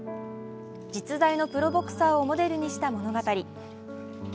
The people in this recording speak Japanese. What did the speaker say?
実在のプロボクサーをモデルにした物語。